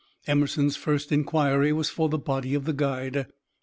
Emerson's first inquiry was for the body of the guide.